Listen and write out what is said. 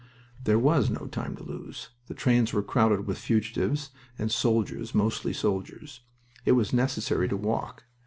There was no time to lose. The trains were crowded with fugitives and soldiers mostly soldiers. It was necessary to walk.